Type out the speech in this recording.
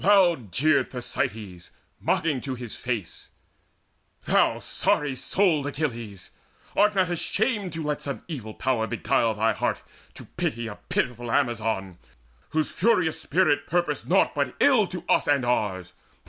Loud jeered Thersites, mocking to his face: "Thou sorry souled Achilles! art not shamed To let some evil Power beguile thine heart To pity of a pitiful Amazon Whose furious spirit purposed naught but ill To us and ours?